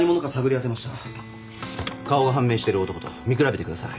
顔が判明してる男と見比べてください。